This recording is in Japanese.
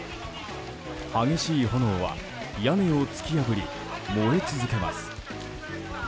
激しい炎は屋根を突き破り燃え続けます。